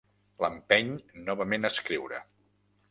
L'empeny novament a escriure.